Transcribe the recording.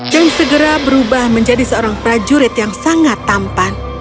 dan segera berubah menjadi seorang prajurit yang sangat tampan